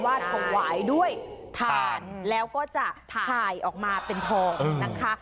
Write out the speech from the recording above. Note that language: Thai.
ถวายด้วยถ่านแล้วก็จะถ่ายออกมาเป็นทองนะคะ